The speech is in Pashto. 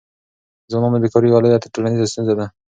د ځوانانو بېکاري یوه لویه ټولنیزه ستونزه ده.